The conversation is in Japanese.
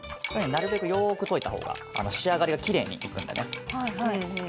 なるべくよく溶いた方が仕上がりがきれいにいくんでね。